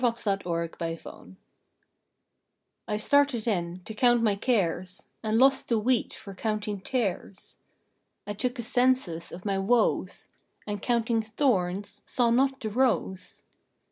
THE ACCOUNTING T STARTED in to count my cares, And lost the wheat for counting tares. I took a census of my woes, And, counting thorns, saw not the rose.